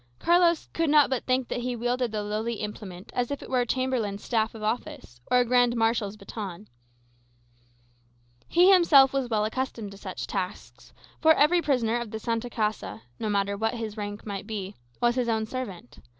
Carlos could not but think that he wielded the lowly implement as if it were a chamberlain's staff of office, or a grand marshal's baton. He himself was well accustomed to such tasks; for every prisoner of the Santa Casa, no matter what his rank might be, was his own servant.